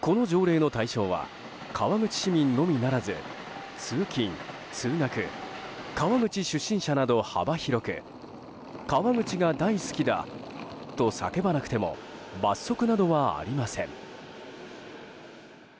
この条例の対象は川口市民のみならず通勤・通学川口出身者など幅広く川口が大好きだと叫ばなくても罰則などはありません。